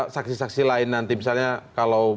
saksi saksi lain nanti misalnya kalau